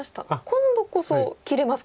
今度こそ切れますか？